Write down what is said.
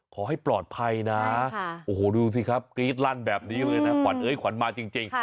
ขอให้ปลอดภัยนะโอ้โหดูสิครับกรี๊ดลั่นแบบนี้เลยนะขวัญเอ้ยขวัญมาจริง